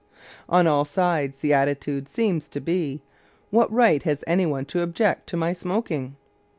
On all sides the attitude seems to be, "What right has any one to object to my smoking?"